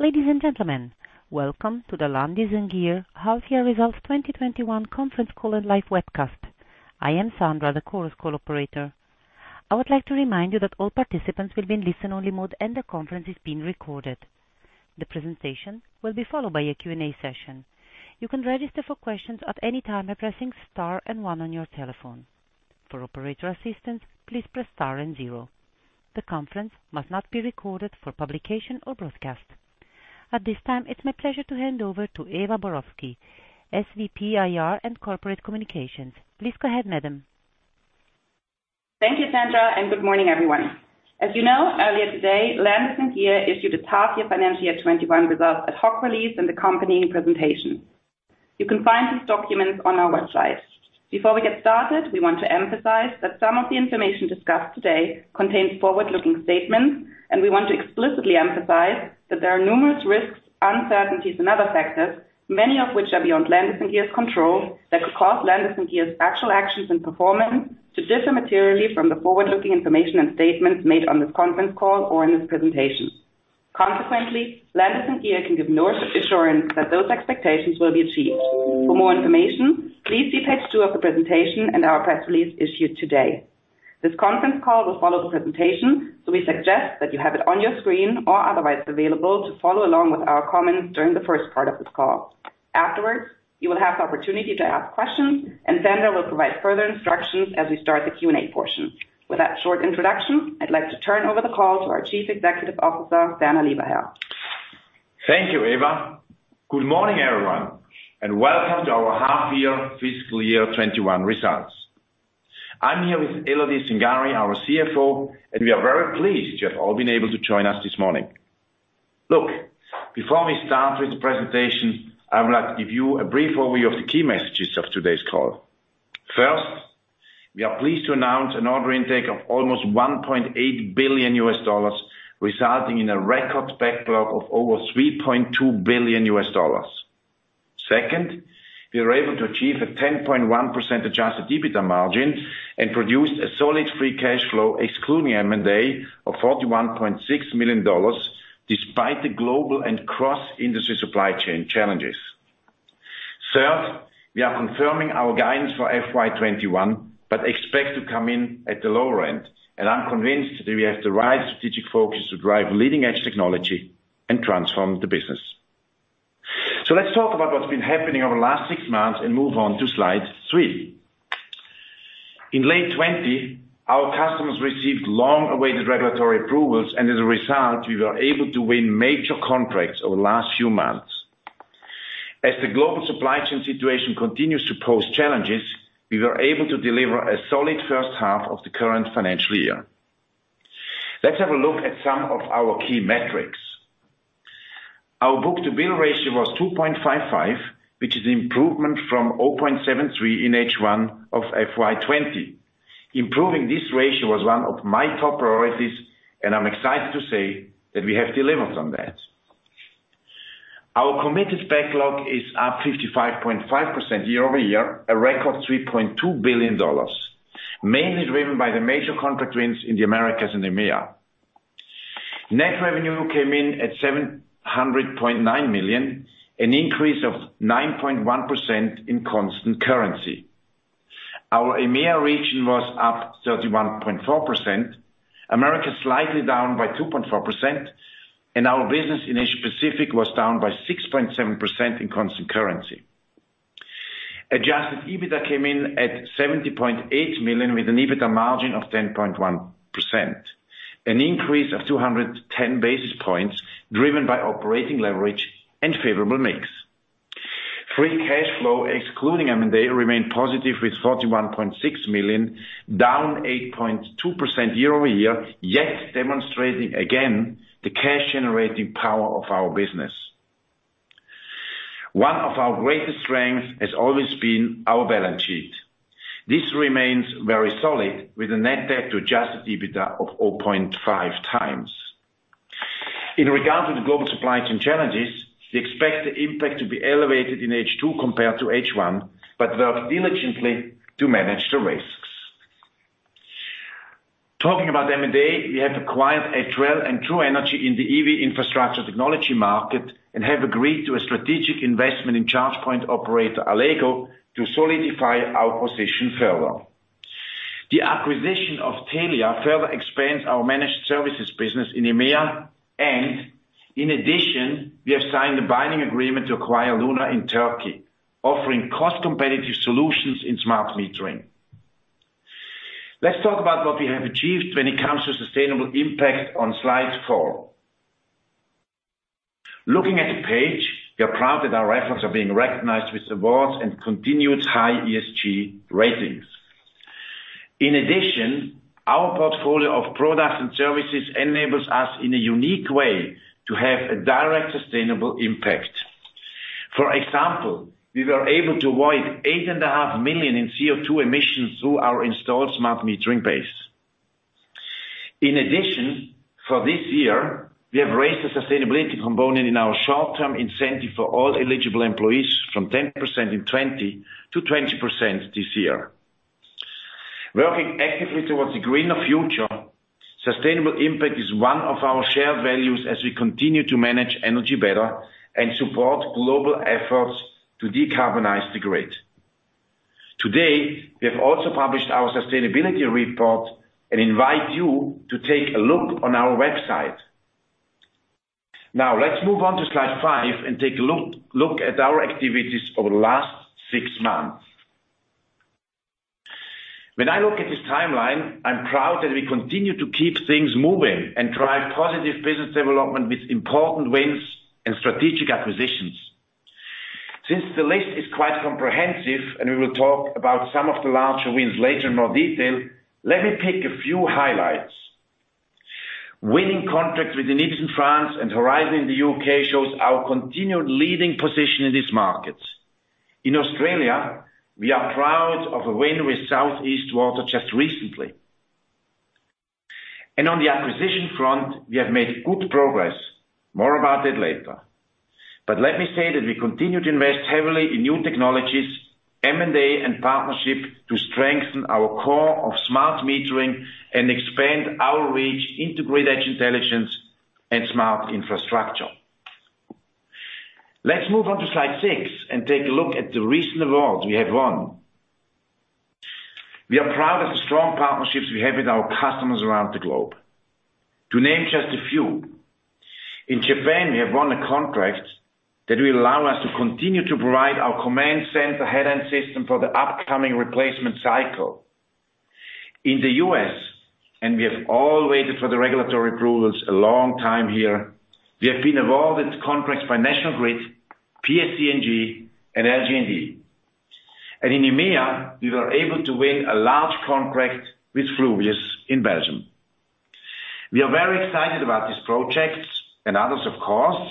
Ladies and gentlemen, welcome to the Landis+Gyr half year results 2021 conference call and live webcast. I am Sandra, the Chorus Call operator. I would like to remind you that all participants will be in listen-only mode, and the conference is being recorded. The presentation will be followed by a Q&A session. You can register for questions at any time by pressing star and one on your telephone. For operator assistance, please press star and zero. The conference must not be recorded for publication or broadcast. At this time, it's my pleasure to hand over to Eva Borowski, SVP, IR and Corporate Communications. Please go ahead, madam. Thank you, Sandra, and good morning, everyone. As you know, earlier today, Landis+Gyr issued its half-year financial 2021 results, ad hoc release, and the company presentation. You can find these documents on our website. Before we get started, we want to emphasize that some of the information discussed today contains forward-looking statements, and we want to explicitly emphasize that there are numerous risks, uncertainties, and other factors, many of which are beyond Landis+Gyr's control, that could cause Landis+Gyr's actual actions and performance to differ materially from the forward-looking information and statements made on this conference call or in this presentation. Consequently, Landis+Gyr can give no assurance that those expectations will be achieved. For more information, please see page two of the presentation and our press release issued today. This conference call will follow the presentation, so we suggest that you have it on your screen or otherwise available to follow along with our comments during the first part of this call. Afterwards, you will have the opportunity to ask questions, and Sandra will provide further instructions as we start the Q&A portion. With that short introduction, I'd like to turn over the call to our Chief Executive Officer, Werner Lieberherr Thank you, Eva. Good morning, everyone, and welcome to our half-year fiscal year 2021 results. I'm here with Elodie Cingari, our CFO, and we are very pleased you have all been able to join us this morning. Look, before we start with the presentation, I would like to give you a brief overview of the key messages of today's call. First, we are pleased to announce an order intake of almost $1.8 billion, resulting in a record backlog of over $3.2 billion. Second, we were able to achieve a 10.1% Adjusted EBITDA margin and produced a solid free cash flow, excluding M&A, of $41.6 million despite the global and cross-industry supply chain challenges. Third, we are confirming our guidance for FY 2021 but expect to come in at the lower end, and I'm convinced that we have the right strategic focus to drive leading-edge technology and transform the business. Let's talk about what's been happening over the last six months and move on to slide three. In late 2020, our customers received long-awaited regulatory approvals, and as a result, we were able to win major contracts over the last few months. As the global supply chain situation continues to pose challenges, we were able to deliver a solid first half of the current financial year. Let's have a look at some of our key metrics. Our book-to-bill ratio was 2.55, which is improvement from 0.73 in H1 of FY 2020. Improving this ratio was one of my top priorities, and I'm excited to say that we have delivered on that. Our committed backlog is up 55.5% year-over-year, a record $3.2 billion, mainly driven by the major contract wins in the Americas and EMEA. Net revenue came in at $700.9 million, an increase of 9.1% in constant currency. Our EMEA region was up 31.4%, Americas slightly down by 2.4%, and our business in Asia Pacific was down by 6.7% in constant currency. Adjusted EBITDA came in at $70.8 million, with an EBITDA margin of 10.1%, an increase of 210 basis points driven by operating leverage and favorable mix. Free cash flow, excluding M&A, remained positive with $41.6 million, down 8.2% year-over-year, yet demonstrating again the cash-generating power of our business. One of our greatest strengths has always been our balance sheet. This remains very solid with a net debt to Adjusted EBITDA of 0.5x. In regard to the global supply chain challenges, we expect the impact to be elevated in H2 compared to H1, but we are diligent to manage the risks. Talking about M&A, we have acquired Etrel and True Energy in the EV infrastructure technology market and have agreed to a strategic investment in charge point operator Allego to solidify our position further. The acquisition of Telia further expands our managed services business in EMEA, and in addition, we have signed a binding agreement to acquire Luna in Turkey, offering cost-competitive solutions in smart metering. Let's talk about what we have achieved when it comes to sustainable impact on slide four. Looking at the page, we are proud that our efforts are being recognized with awards and continued high ESG ratings. In addition, our portfolio of products and services enables us in a unique way to have a direct sustainable impact. For example, we were able to avoid 8.5 million in CO2 emissions through our installed smart metering base. In addition, for this year, we have raised the sustainability component in our short-term incentive for all eligible employees from 10% in 2020 to 20% this year. Working actively towards a greener future, sustainable impact is one of our shared values as we continue to manage energy better and support global efforts to decarbonize the grid. Today, we have also published our sustainability report and invite you to take a look on our website. Now, let's move on to slide five and take a look at our activities over the last six months. When I look at this timeline, I'm proud that we continue to keep things moving and drive positive business development with important wins and strategic acquisitions. Since the list is quite comprehensive, and we will talk about some of the larger wins later in more detail, let me pick a few highlights. Winning contracts with Enedis in France and Horizon in the U.K. shows our continued leading position in these markets. In Australia, we are proud of a win with South East Water just recently. On the acquisition front, we have made good progress. More about that later. Let me say that we continue to invest heavily in new technologies, M&A, and partnership to strengthen our core of smart metering and expand our reach into grid edge intelligence and smart infrastructure. Let's move on to slide six and take a look at the recent awards we have won. We are proud of the strong partnerships we have with our customers around the globe. To name just a few, in Japan, we have won a contract that will allow us to continue to provide our Command Center headend system for the upcoming replacement cycle. In the U.S., we have all waited for the regulatory approvals a long time here, we have been awarded contracts by National Grid, PSE&G, and LG&E. In EMEA, we were able to win a large contract with Fluvius in Belgium. We are very excited about these projects, and others, of course,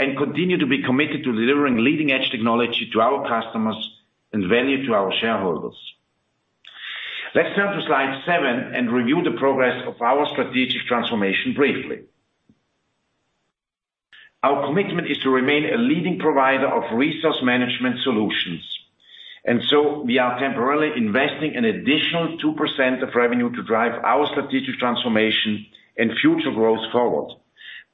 and continue to be committed to delivering leading-edge technology to our customers and value to our shareholders. Let's turn to slide seven and review the progress of our strategic transformation briefly. Our commitment is to remain a leading provider of resource management solutions. We are temporarily investing an additional 2% of revenue to drive our strategic transformation and future growth forward,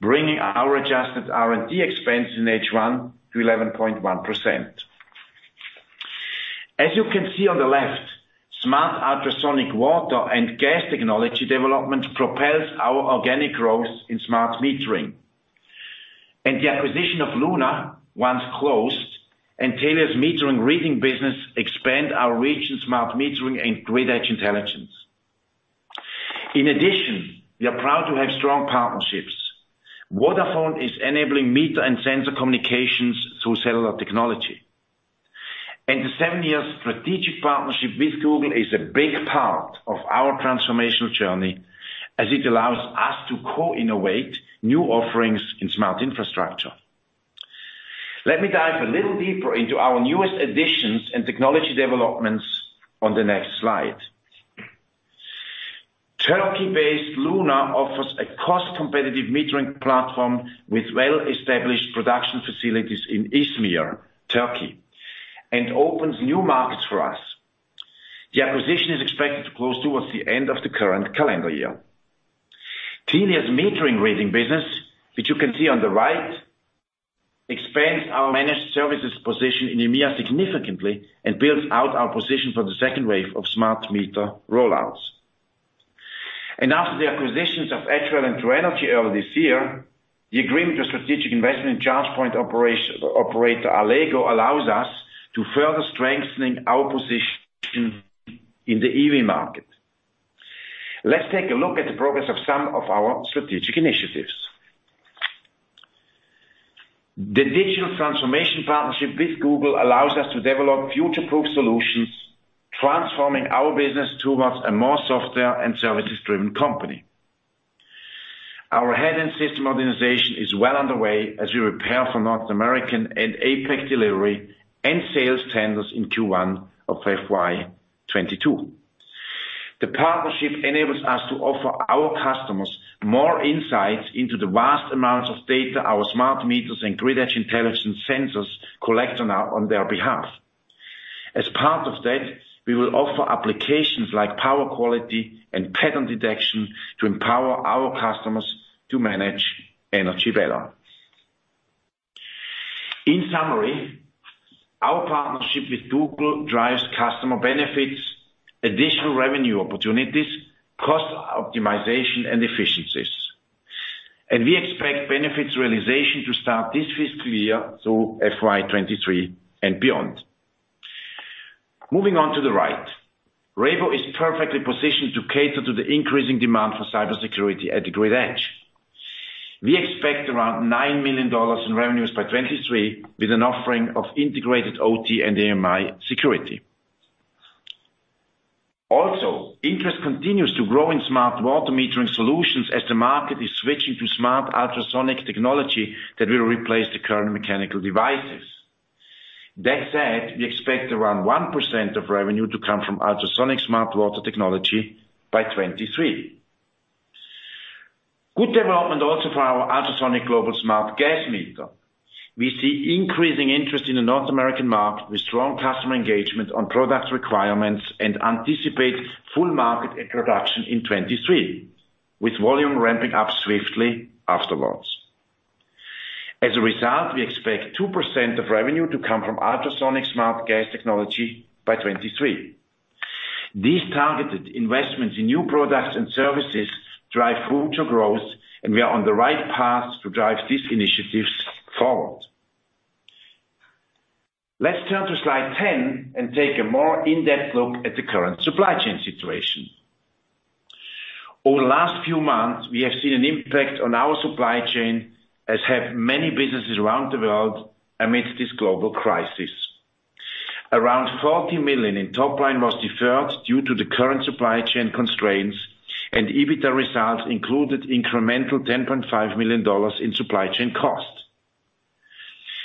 bringing our adjusted R&D expenses in H1 to 11.1%. As you can see on the left, smart ultrasonic water and gas technology development propels our organic growth in smart metering. The acquisition of Luna, once closed, and Telia's metering reading business expand our reach in smart metering and grid edge intelligence. In addition, we are proud to have strong partnerships. Vodafone is enabling meter and sensor communications through cellular technology. The seven-year strategic partnership with Google is a big part of our transformational journey as it allows us to co-innovate new offerings in smart infrastructure. Let me dive a little deeper into our newest additions and technology developments on the next slide. Turkey-based Luna offers a cost-competitive metering platform with well-established production facilities in Izmir, Turkey, and opens new markets for us. The acquisition is expected to close towards the end of the current calendar year. Telia's metering reading business, which you can see on the right, expands our managed services position in EMEA significantly and builds out our position for the second wave of smart meter rollouts. After the acquisitions of Etrel and True Energy earlier this year, the agreement with strategic investment charge point operator Allego allows us to further strengthen our position in the EV market. Let's take a look at the progress of some of our strategic initiatives. The digital transformation partnership with Google allows us to develop future-proof solutions, transforming our business towards a more software and services-driven company. Our head-end system organization is well underway as we prepare for North American and APAC delivery and sales tenders in Q1 of FY 2022. The partnership enables us to offer our customers more insights into the vast amounts of data our smart meters and grid edge intelligence sensors collect on their behalf. As part of that, we will offer applications like power quality and pattern detection to empower our customers to manage energy better. In summary, our partnership with Google drives customer benefits, additional revenue opportunities, cost optimization, and efficiencies. We expect benefits realization to start this fiscal year through FY 2023 and beyond. Moving on to the right. Rhebo is perfectly positioned to cater to the increasing demand for cybersecurity at the grid edge. We expect around $9 million in revenues by 2023 with an offering of integrated OT and AMI security. Also, interest continues to grow in smart water metering solutions as the market is switching to smart ultrasonic technology that will replace the current mechanical devices. That said, we expect around 1% of revenue to come from ultrasonic smart water technology by 2023. Good development also for our Ultrasonic Smart Gas Meter. We see increasing interest in the North American market with strong customer engagement on product requirements and anticipate full market introduction in 2023, with volume ramping up swiftly afterwards. As a result, we expect 2% of revenue to come from Ultrasonic Smart Gas technology by 2023. These targeted investments in new products and services drive future growth, and we are on the right path to drive these initiatives forward. Let's turn to slide 10 and take a more in-depth look at the current supply chain situation. Over the last few months, we have seen an impact on our supply chain, as have many businesses around the world amidst this global crisis. Around $40 million in top line was deferred due to the current supply chain constraints, and EBITDA results included incremental $10.5 million in supply chain costs.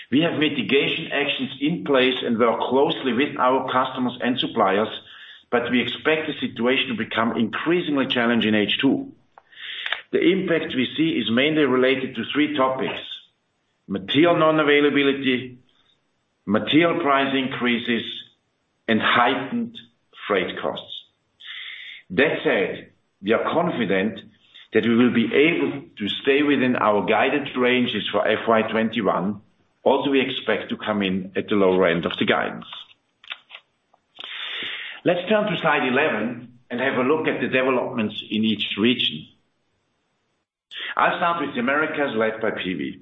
We have mitigation actions in place and work closely with our customers and suppliers, but we expect the situation to become increasingly challenging in H2. The impact we see is mainly related to three topics, material non-availability, material price increases, and heightened freight costs. That said, we are confident that we will be able to stay within our guided ranges for FY 2021. Also, we expect to come in at the lower end of the guidance. Let's turn to slide 11 and have a look at the developments in each region. I'll start with Americas, led by PV.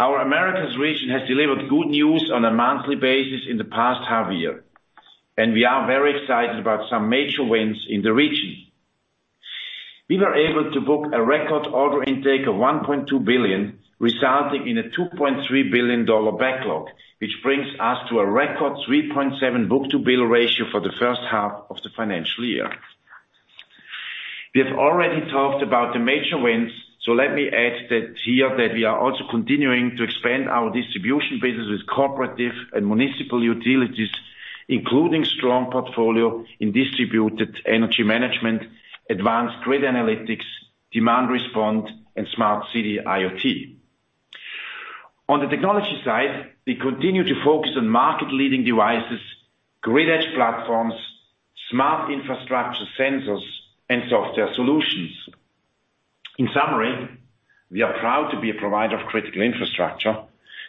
Our Americas region has delivered good news on a monthly basis in the past half year, and we are very excited about some major wins in the region. We were able to book a record order intake of $1.2 billion, resulting in a $2.3 billion backlog, which brings us to a record 3.7 book-to-bill ratio for the first half of the financial year. We have already talked about the major wins, so let me add that here that we are also continuing to expand our distribution business with cooperative and municipal utilities, including strong portfolio in distributed energy management, advanced grid analytics, demand response, and smart city IoT. On the technology side, we continue to focus on market-leading devices, grid edge platforms, smart infrastructure sensors, and software solutions. In summary, we are proud to be a provider of critical infrastructure,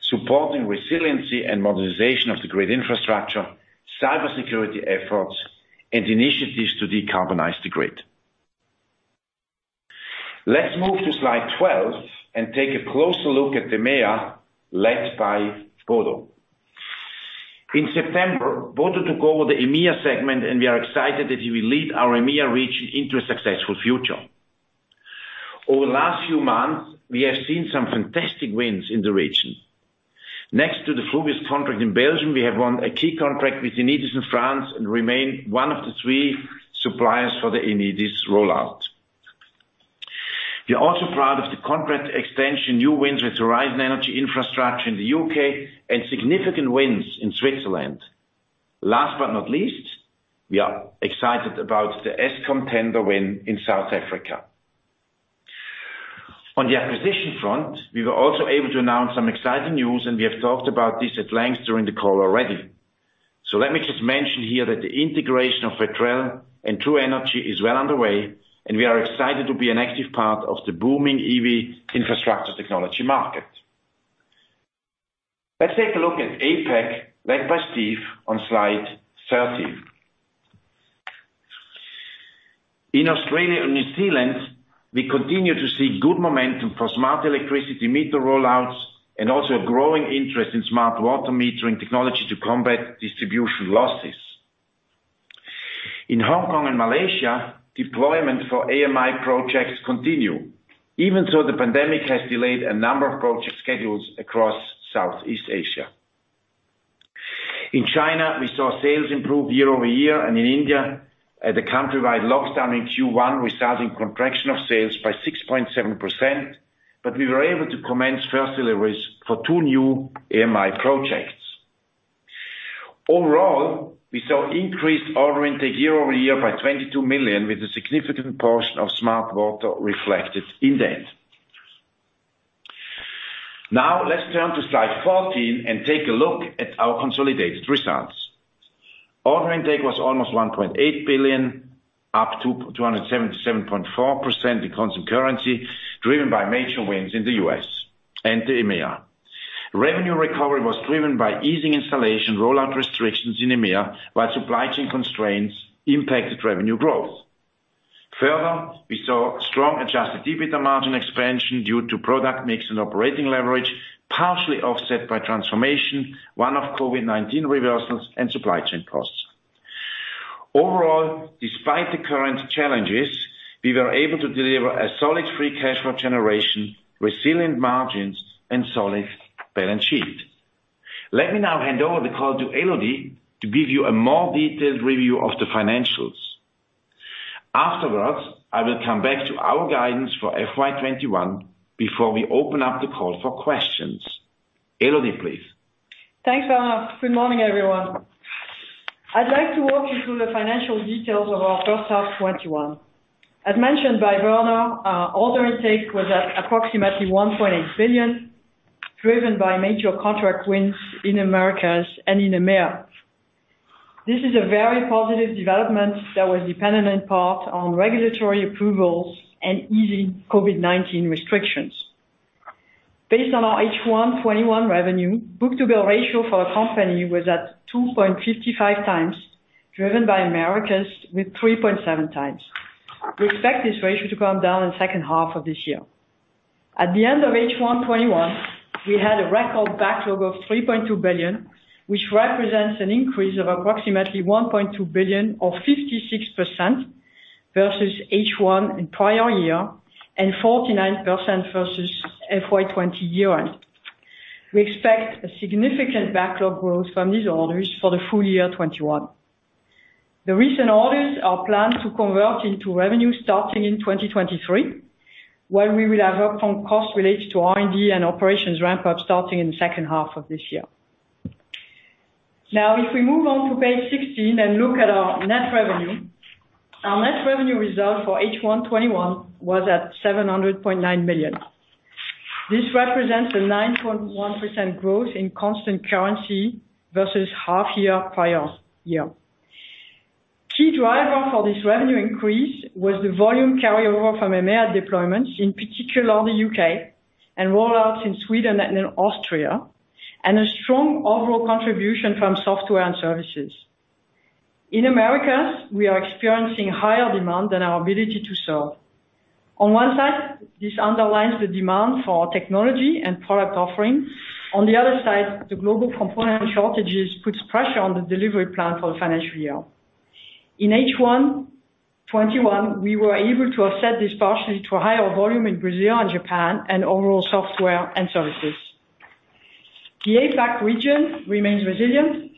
supporting resiliency and modernization of the grid infrastructure, cybersecurity efforts, and initiatives to decarbonize the grid. Let's move to slide 12 and take a closer look at EMEA, led by Bodo. In September, Bodo took over the EMEA segment and we are excited that he will lead our EMEA region into a successful future. Over the last few months, we have seen some fantastic wins in the region. Next to the Fluvius contract in Belgium, we have won a key contract with Enedis in France and remain one of the three suppliers for the Enedis rollout. We are also proud of the contract extension, new wins with Horizon Energy Infrastructure in the U.K. and significant wins in Switzerland. Last but not least, we are excited about the Eskom tender win in South Africa. On the acquisition front, we were also able to announce some exciting news, and we have talked about this at length during the call already. Let me just mention here that the integration of Etrel and True Energy is well underway, and we are excited to be an active part of the booming EV infrastructure technology market. Let's take a look at APAC, led by Steve, on slide 13. In Australia and New Zealand, we continue to see good momentum for smart electricity meter rollouts and also a growing interest in smart water metering technology to combat distribution losses. In Hong Kong and Malaysia, deployments for AMI projects continue. Even so, the pandemic has delayed a number of project schedules across Southeast Asia. In China, we saw sales improve year-over-year. In India, amid the countrywide lockdown in Q1, resulting in contraction of sales by 6.7%, but we were able to commence first deliveries for two new AMI projects. Overall, we saw increased order intake year-over-year by $22 million, with a significant portion of smart water reflected in that. Now let's turn to slide 14 and take a look at our consolidated results. Order intake was almost $1.8 billion, up 277.4% in constant currency, driven by major wins in the U.S. and the EMEA. Revenue recovery was driven by easing installation rollout restrictions in EMEA while supply chain constraints impacted revenue growth. Further, we saw strong Adjusted EBITDA margin expansion due to product mix and operating leverage, partially offset by transformation one-off COVID-19 reversals, and supply chain costs. Overall, despite the current challenges, we were able to deliver a solid free cash flow generation, resilient margins, and solid balance sheet. Let me now hand over the call to Elodie to give you a more detailed review of the financials. Afterwards, I will come back to our guidance for FY 2021 before we open up the call for questions. Elodie, please. Thanks, Werner. Good morning, everyone. I'd like to walk you through the financial details of our first half 2021. As mentioned by Werner, order intake was at approximately $1.8 billion, driven by major contract wins in Americas and in EMEA. This is a very positive development that was dependent in part on regulatory approvals and easing COVID-19 restrictions. Based on our H1 2021 revenue, book-to-bill ratio for our company was at 2.55x, driven by Americas with 3.7x. We expect this ratio to come down in second half of this year. At the end of H1 2021, we had a record backlog of $3.2 billion, which represents an increase of approximately $1.2 billion or 56% versus H1 in prior year and 49% versus FY 2020 year-end. We expect a significant backlog growth from these orders for the full year 2021. The recent orders are planned to convert into revenue starting in 2023, where we will have upfront costs related to R&D and operations ramp up starting in the second half of this year. Now, if we move on to page 16 and look at our net revenue, our net revenue result for H1 2021 was at 709.9 million. This represents a 9.1% growth in constant currency versus half year prior year. Key driver for this revenue increase was the volume carryover from EMEA deployments, in particular the U.K., and rollouts in Sweden and in Austria, and a strong overall contribution from software and services. In Americas, we are experiencing higher demand than our ability to serve. On one side, this underlines the demand for our technology and product offering. On the other side, the global component shortages puts pressure on the delivery plan for the financial year. In H1 2021, we were able to offset this partially to a higher volume in Brazil and Japan and overall software and services. The APAC region remains resilient.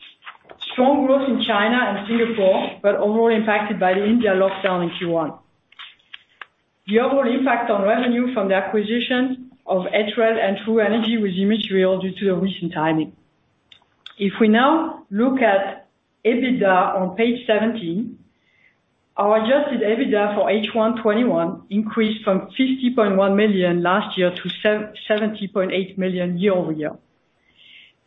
Strong growth in China and Singapore, but overall impacted by the India lockdown in Q1. The overall impact on revenue from the acquisition of Etrel and True Energy was immaterial due to the recent timing. If we now look at EBITDA on page 17, our Adjusted EBITDA for H1 2021 increased from $50.1 million last year to $70.8 million year-over-year.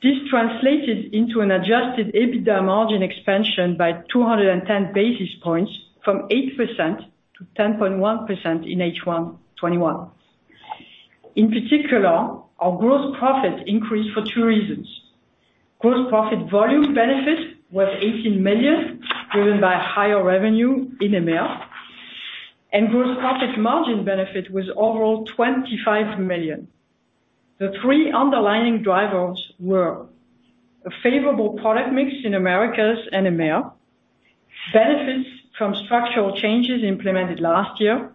This translated into an Adjusted EBITDA margin expansion by 210 basis points from 8% to 10.1% in H1 2021. In particular, our gross profit increased for two reasons. Gross profit volume benefit was $18 million, driven by higher revenue in EMEA, and gross profit margin benefit was overall $25 million. The three underlying drivers were a favorable product mix in Americas and EMEA, benefits from structural changes implemented last year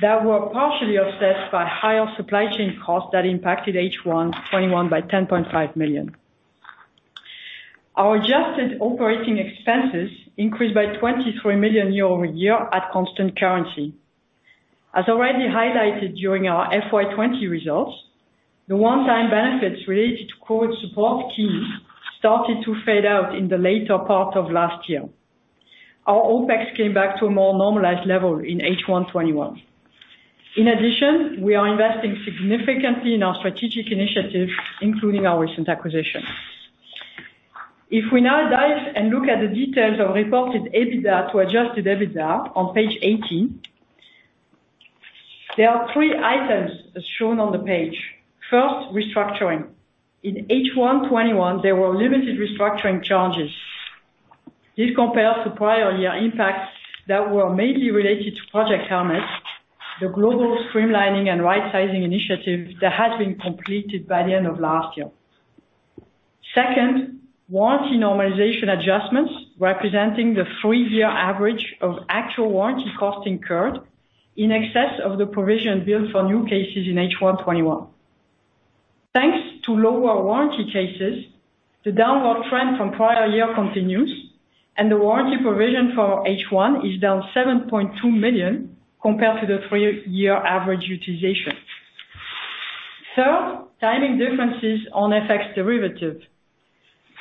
that were partially offset by higher supply chain costs that impacted H1 2021 by $10.5 million. Our adjusted operating expenses increased by $23 million year-over-year at constant currency. As already highlighted during our FY 2020 results, the one-time benefits related to COVID support teams started to fade out in the later part of last year. Our OpEx came back to a more normalized level in H1 2021. In addition, we are investing significantly in our strategic initiatives, including our recent acquisitions. If we now dive and look at the details of reported EBITDA to Adjusted EBITDA on page 18, there are three items as shown on the page. First, restructuring. In H1 2021, there were limited restructuring charges. This compares to prior year impacts that were mainly related to Project Hermes, the global streamlining and rightsizing initiative that has been completed by the end of last year. Second, warranty normalization adjustments representing the three-year average of actual warranty costs incurred in excess of the provision billed for new cases in H1 2021. Thanks to lower warranty cases, the downward trend from prior year continues, and the warranty provision for H1 is down 7.2 million compared to the three-year average utilization. Third, timing differences on FX derivative.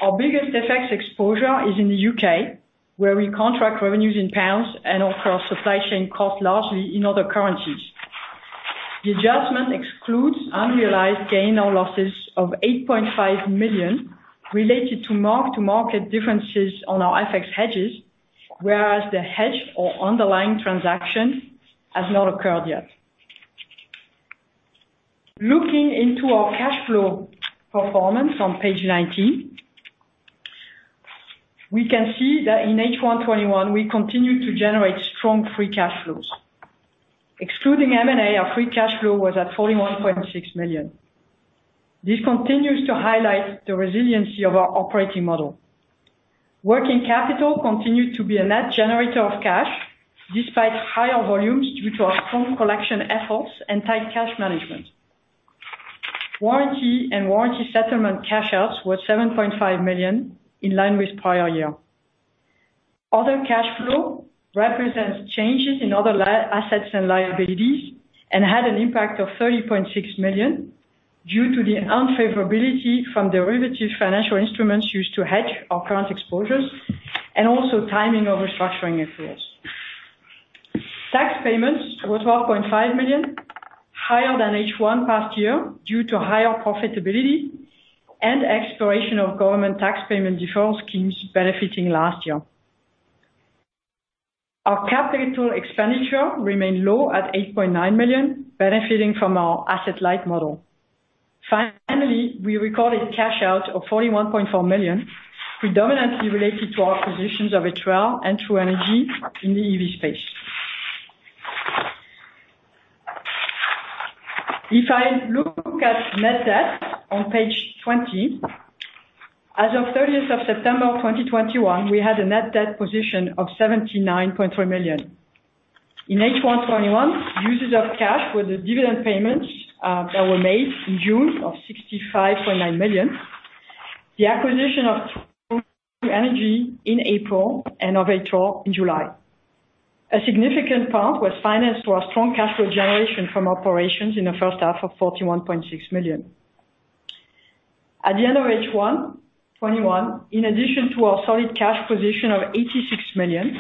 Our biggest FX exposure is in the U.K., where we contract revenues in pounds and incur supply chain costs largely in other currencies. The adjustment excludes unrealized gain or losses of $8.5 million related to mark-to-market differences on our FX hedges, whereas the hedge or underlying transaction has not occurred yet. Looking into our cash flow performance on page 19, we can see that in H1 2021, we continued to generate strong free cash flows. Excluding M&A, our free cash flow was at $41.6 million. This continues to highlight the resiliency of our operating model. Working capital continued to be a net generator of cash despite higher volumes due to our strong collection efforts and tight cash management. Warranty and warranty settlement cash outs were $7.5 million, in line with prior year. Other cash flow represents changes in other assets and liabilities, and had an impact of $30.6 million due to the unfavorability from derivative financial instruments used to hedge our currency exposures and also timing of restructuring efforts. Tax payments was $12.5 million, higher than H1 last year due to higher profitability and expiration of government tax payment deferral schemes benefiting last year. Our capital expenditure remained low at $8.9 million, benefiting from our asset light model. Finally, we recorded cash out of $41.4 million, predominantly related to our acquisitions of Etrel and True Energy in the EV space. If I look at net debt on page 20, as of 30th of September 2021, we had a net debt position of $79.4 million. In H1 2021, uses of cash were the dividend payments that were made in June of $65.9 million, the acquisition of Etrel in April and True Energy in July. A significant part was financed by our strong cash flow generation from operations in the first half of $41.6 million. At the end of H1 2021, in addition to our solid cash position of $86 million,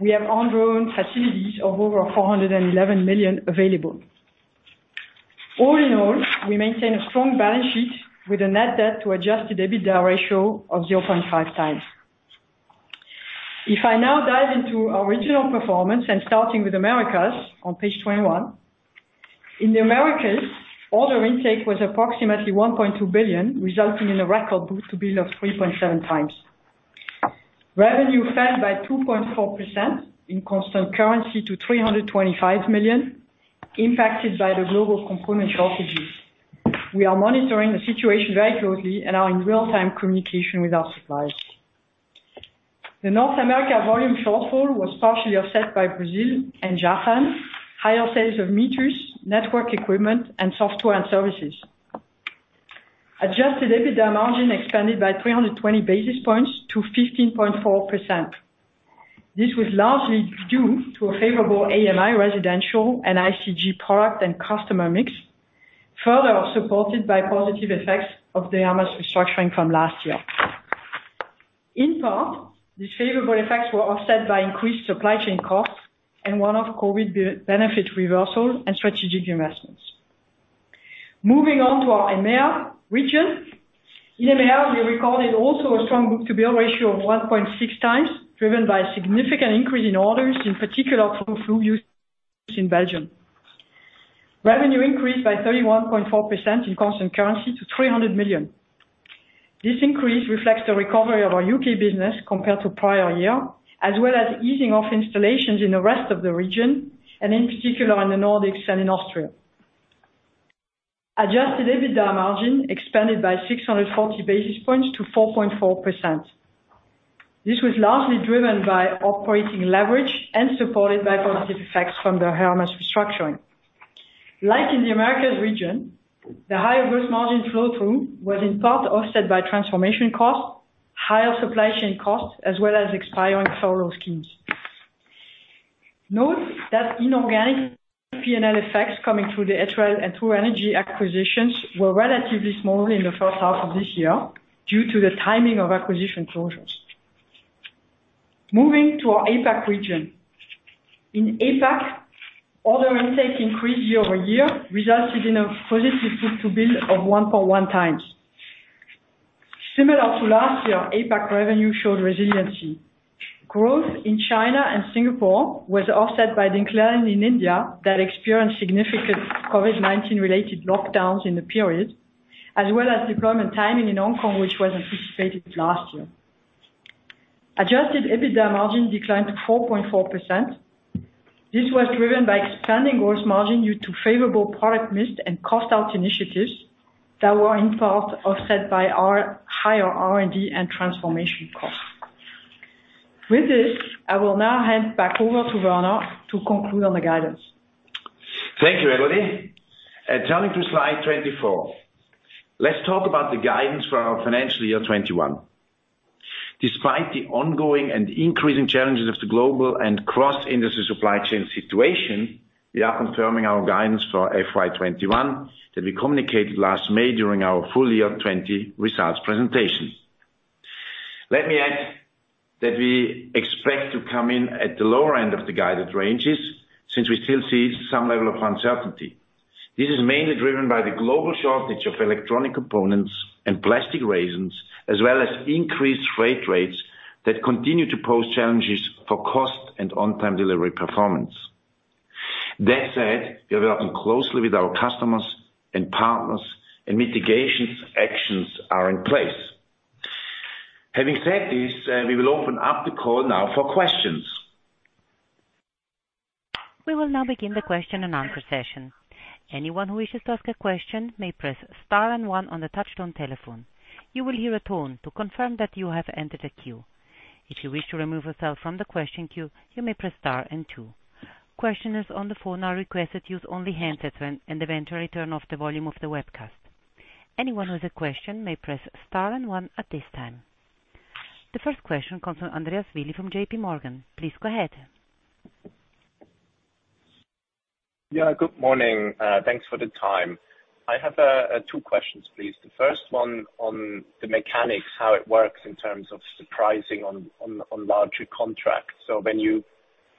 we have undrawn facilities of over $411 million available. All in all, we maintain a strong balance sheet with a net debt to Adjusted EBITDA ratio of 0.5x. If I now dive into our regional performance and starting with Americas on page 21. In the Americas, order intake was approximately $1.2 billion, resulting in a record book-to-bill of 3.7x. Revenue fell by 2.4% in constant currency to $325 million, impacted by the global component shortages. We are monitoring the situation very closely and are in real-time communication with our suppliers. The North America volume shortfall was partially offset by Brazil and Japan, higher sales of meters, network equipment, and software and services. Adjusted EBITDA margin expanded by 320 basis points to 15.4%. This was largely due to a favorable AMI residential and C&I/G product and customer mix, further supported by positive effects of the Hermes restructuring from last year. In part, these favorable effects were offset by increased supply chain costs and one-off COVID benefit reversal and strategic investments. Moving on to our EMEA region. In EMEA, we recorded also a strong book-to-bill ratio of 1.6x, driven by a significant increase in orders, in particular in Belgium. Revenue increased by 31.4% in constant currency to 300 million. This increase reflects the recovery of our U.K. business compared to prior year, as well as easing of installations in the rest of the region, and in particular in the Nordics and in Austria. Adjusted EBITDA margin expanded by 640 basis points to 4.4%. This was largely driven by operating leverage and supported by positive effects from the Hermes restructuring. Like in the Americas region, the higher gross margin flow-through was in part offset by transformation costs, higher supply chain costs, as well as expiring federal schemes. Note that inorganic P&L effects coming through the two energy acquisitions were relatively small in the first half of this year due to the timing of acquisition closures. Moving to our APAC region. In APAC, order intake increased year-over-year, resulted in a positive book-to-bill of 1.1x. Similar to last year, APAC revenue showed resiliency. Growth in China and Singapore was offset by decline in India that experienced significant COVID-19 related lockdowns in the period, as well as deployment timing in Hong Kong, which was anticipated last year. Adjusted EBITDA margin declined to 4.4%. This was driven by expanding gross margin due to favorable product mix and cost out initiatives that were in part offset by our higher R&D and transformation costs. With this, I will now hand back over to Werner to conclude on the guidance. Thank you, Elodie. Turning to slide 24, let's talk about the guidance for our financial year 2021. Despite the ongoing and increasing challenges of the global and cross-industry supply chain situation, we are confirming our guidance for FY 2021 that we communicated last May during our full year 2020 results presentation. Let me add that we expect to come in at the lower end of the guided ranges since we still see some level of uncertainty. This is mainly driven by the global shortage of electronic components and plastic resins, as well as increased freight rates that continue to pose challenges for cost and on-time delivery performance. That said, we are working closely with our customers and partners and mitigations actions are in place. Having said this, we will open up the call now for questions. We will now begin the question and answer session. Anyone who wishes to ask a question may press star and one on the touchtone telephone. You will hear a tone to confirm that you have entered a queue. If you wish to remove yourself from the question queue, you may press star and two. Questioners on the phone are requested use only handsets and eventually turn off the volume of the webcast. Anyone with a question may press star and one at this time. The first question comes from Andreas Willi from JPMorgan. Please go ahead. Good morning. Thanks for the time. I have two questions, please. The first one on the mechanics, how it works in terms of pricing on larger contracts. When you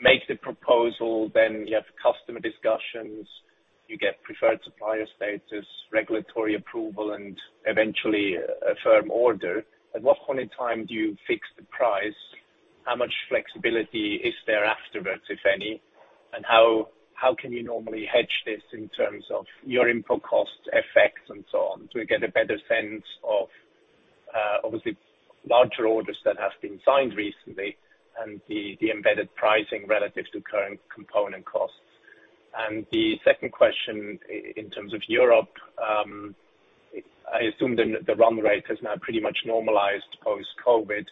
make the proposal, then you have customer discussions, you get preferred supplier status, regulatory approval, and eventually a firm order. At what point in time do you fix the price? How much flexibility is there afterwards, if any? And how can you normally hedge this in terms of your input cost effects and so on to get a better sense of obviously larger orders that have been signed recently and the embedded pricing relative to current component costs? The second question in terms of Europe. I assume the run rate has now pretty much normalized post-COVID.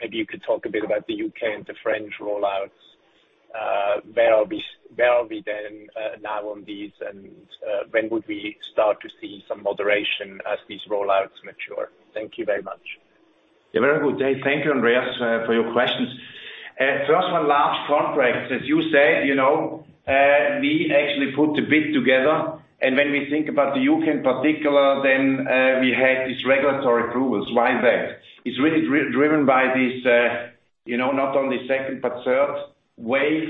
Maybe you could talk a bit about the U.K. and the French rollouts. Where are we then now on these, and when would we start to see some moderation as these rollouts mature? Thank you very much. Yeah, very good. Thank you, Andreas, for your questions. First one, large contracts. As you said, you know, we actually put the bid together, and when we think about the U.K. in particular, then, we had these regulatory approvals. Why that? It's really driven by this, you know, not only second but third wave,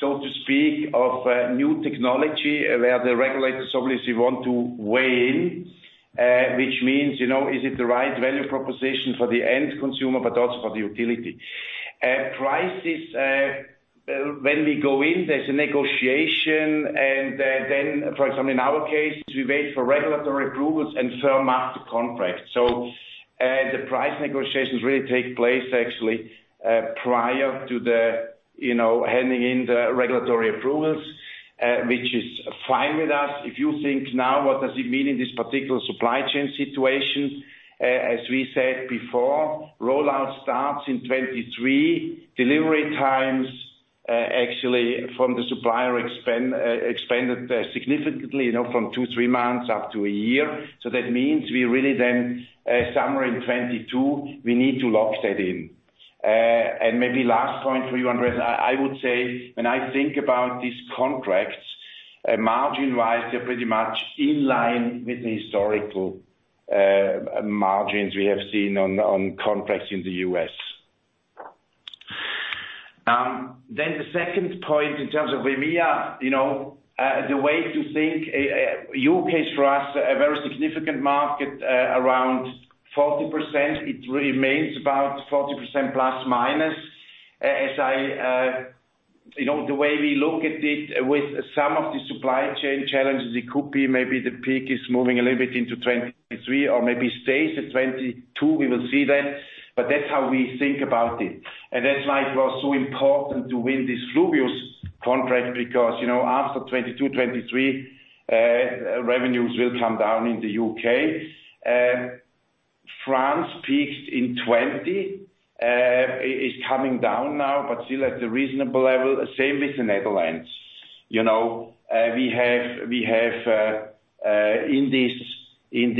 so to speak, of new technology where the regulators obviously want to weigh in, which means, you know, is it the right value proposition for the end consumer, but also for the utility. Prices, when we go in, there's a negotiation and, then for example, in our case, we wait for regulatory approvals and firm up the contract. The price negotiations really take place actually, prior to the, you know, handing in the regulatory approvals, which is fine with us. If you think now, what does it mean in this particular supply chain situation? As we said before, rollout starts in 2023. Delivery times actually from the supplier expanded significantly, you know, from two to three months up to a year. That means we really then in summer 2022 we need to lock that in. Maybe last point for you, Andreas, I would say when I think about these contracts margin-wise, they're pretty much in line with the historical margins we have seen on contracts in the U.S. The second point in terms of EMEA, you know, the way to think U.K. is for us a very significant market around 40%. It remains about 40%±. As I, you know, the way we look at it with some of the supply chain challenges, it could be maybe the peak is moving a little bit into 2023 or maybe stays at 2022. We will see then, but that's how we think about it. That's why it was so important to win this Fluvius contract because, you know, after 2022, 2023, revenues will come down in the U.K. France peaked in 2020. It is coming down now, but still at a reasonable level. Same with the Netherlands. You know, we have in the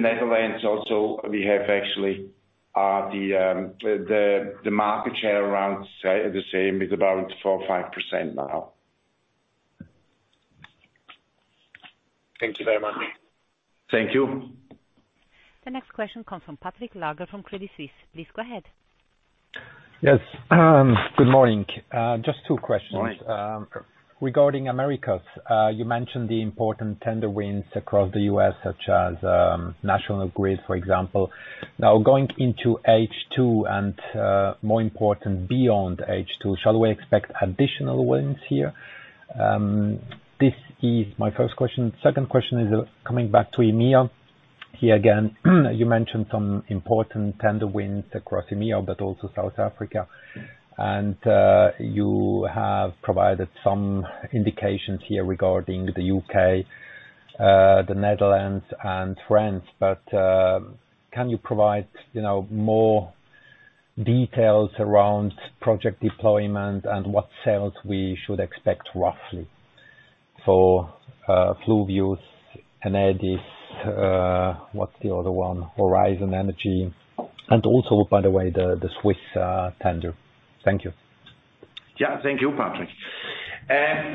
Netherlands also, we have actually the market share around the same. It's about 4%-5% now. Thank you very much. Thank you. The next question comes from Patrick Laager from Credit Suisse. Please go ahead. Yes. Good morning. Just two questions. Morning. Regarding Americas, you mentioned the important tender wins across the U.S. such as National Grid, for example. Now, going into H2 and more important beyond H2, shall we expect additional wins here? This is my first question. Second question is coming back to EMEA. Here again, you mentioned some important tender wins across EMEA but also South Africa. You have provided some indications here regarding the U.K., the Netherlands and France. Can you provide, you know, more details around project deployment and what sales we should expect roughly for Fluvius, Enedis, what's the other one? Horizon Energy, and also by the way, the Swiss tender. Thank you. Yeah. Thank you, Patrick.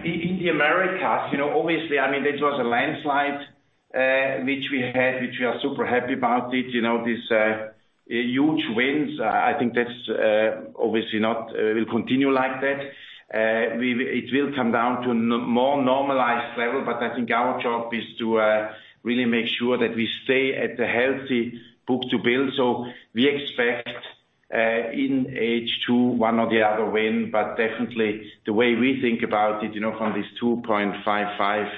In the Americas, you know, obviously, I mean, it was a landslide, which we are super happy about it. You know, these huge wins. I think that's obviously not going to continue like that. It will come down to more normalized level, but I think our job is to really make sure that we stay at the healthy book-to-bill. We expect in H2 one or the other win, but definitely the way we think about it, you know, from this 2.55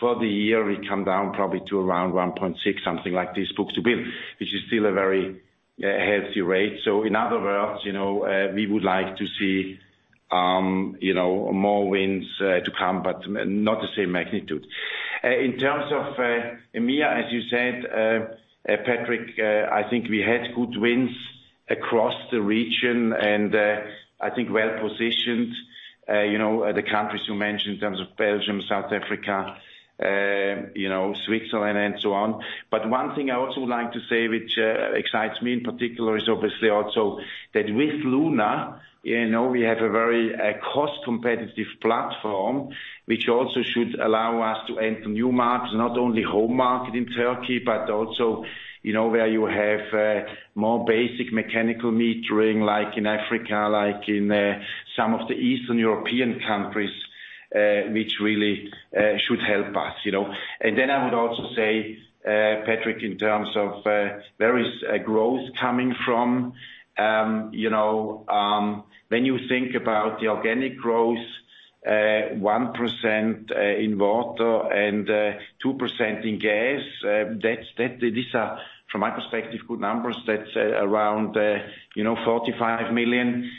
for the year, we come down probably to around 1.6, something like this book-to-bill, which is still a very healthy rate. In other words, you know, we would like to see, you know, more wins to come, but not the same magnitude. In terms of EMEA, as you said, Patrick, I think we had good wins across the region and I think we're well-positioned. You know, the countries you mentioned in terms of Belgium, South Africa, you know, Switzerland and so on. One thing I also would like to say, which excites me in particular is obviously also that with Luna, you know, we have a very cost competitive platform, which also should allow us to enter new markets, not only home market in Turkey, but also, you know, where you have more basic mechanical metering like in Africa, like in some of the Eastern European countries, which really should help us, you know. I would also say, Patrick, in terms of where is growth coming from, you know, when you think about the organic growth, 1% in water and 2% in gas. That's from my perspective good numbers. These are around $45 million.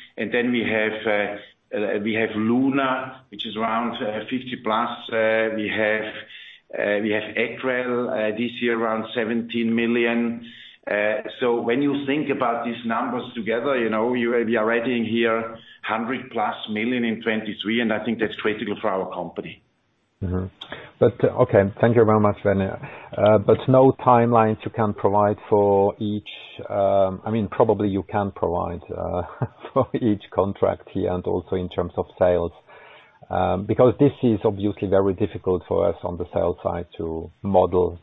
We have Luna, which is around $50+. We have Etrel, this year around $17 million. So when you think about these numbers together, you know, we are already here $100 million+ in 2023, and I think that's critical for our company. Okay. Thank you very much, Werner. No timelines you can provide for each. I mean probably you can provide for each contract here and also in terms of sales, because this is obviously very difficult for us on the sales side to model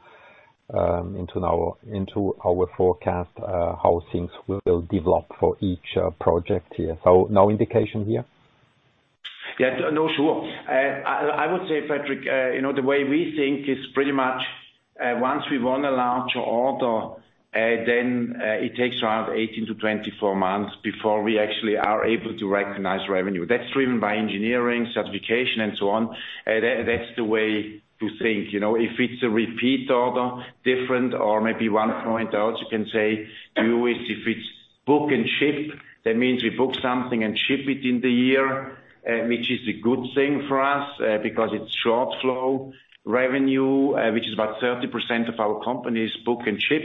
into our forecast now, how things will develop for each project here. No indication here? Yeah. No, sure. I would say, Patrick, you know, the way we think is pretty much once we won a large order, then it takes around 18-24 months before we actually are able to recognize revenue. That's driven by engineering, certification and so on. That's the way to think, you know. If it's a repeat order, different or maybe one point out you can say, do is if it's book and ship, that means we book something and ship it in the year, which is a good thing for us, because it's short flow revenue, which is about 30% of our company is book and ship.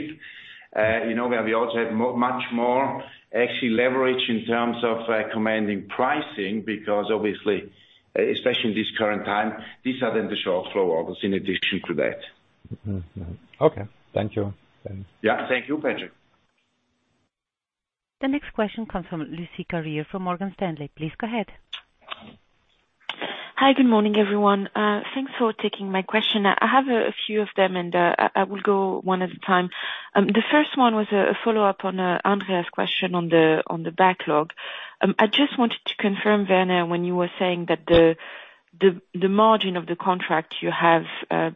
You know, where we also have more, much more actually leverage in terms of commanding pricing because obviously, especially in this current time, these are then the short flow orders in addition to that. Mm-hmm. Mm-hmm. Okay. Thank you. Yeah. Thank you, Patrick. The next question comes from Lucie Carrier from Morgan Stanley. Please go ahead. Hi. Good morning, everyone. Thanks for taking my question. I have a few of them, and I will go one at a time. The first one was a follow-up on Andreas' question on the backlog. I just wanted to confirm, Werner, when you were saying that the margin of the contract you have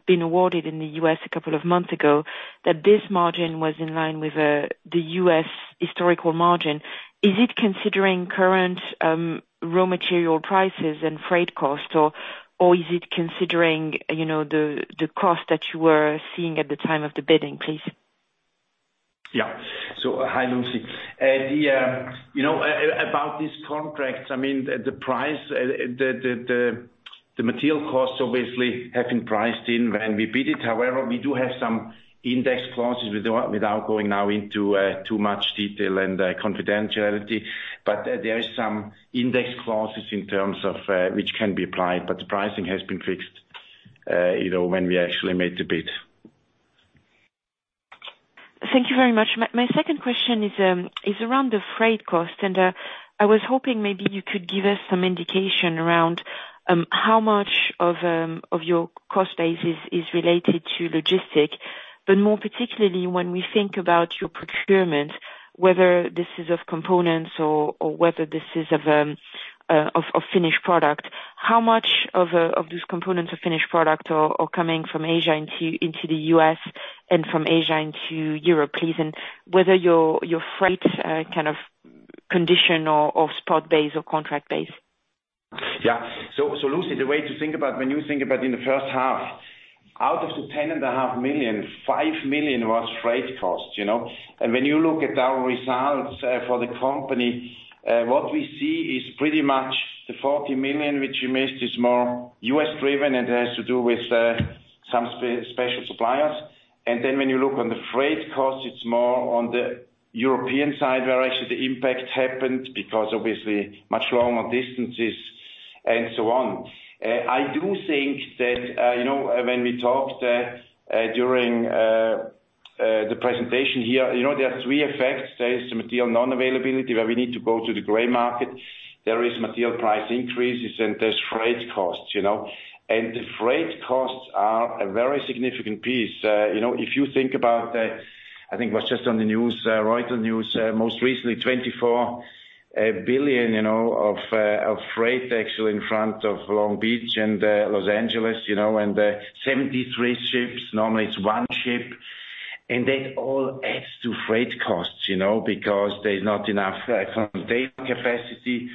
been awarded in the U.S. a couple of months ago, that this margin was in line with the U.S. historical margin. Is it considering current raw material prices and freight costs or is it considering, you know, the cost that you were seeing at the time of the bidding, please? Hi, Lucie. About these contracts, I mean, the price, the material costs obviously have been priced in when we bid it. However, we do have some index clauses without going now into too much detail and confidentiality. There is some index clauses in terms of which can be applied, but the pricing has been fixed when we actually made the bid. Thank you very much. My second question is around the freight cost, and I was hoping maybe you could give us some indication around how much of your cost base is related to logistics. More particularly, when we think about your procurement, whether this is components or finished product. How much of these components or finished product are coming from Asia into the U.S. and from Asia into Europe, please? Whether your freight is contracted or spot-based or contract-based. Lucie, the way to think about when you think about in the first half, out of the $10.5 million, $5 million was freight costs, you know. When you look at our results for the company, what we see is pretty much the $40 million, which you missed, is more U.S. driven and has to do with some special suppliers. When you look on the freight costs, it's more on the European side where actually the impact happened because obviously much longer distances and so on. I do think that, you know, when we talked during the presentation here, you know, there are three effects. There is material non-availability, where we need to go to the gray market, there is material price increases and there's freight costs, you know. The freight costs are a very significant piece. You know, if you think about, I think it was just on the news, Reuters news, most recently, $24 billion, you know, of freight actually in front of Long Beach and Los Angeles, you know, and 73 ships. Normally it's one ship. That all adds to freight costs, you know, because there's not enough container capacity,